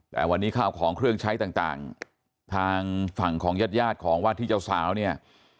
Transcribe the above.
แต่วันนี้ข้าวของเครื่องใช้ต่างทางฝั่งของญาติญาติของวาดที่เจ้าสาวเนี่ย